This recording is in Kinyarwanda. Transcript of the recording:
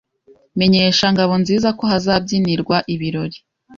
Menyesha Ngabonziza ko hazabyinirwa ibirori.